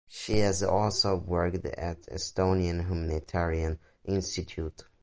She has also worked at Estonian Humanitarian Institute.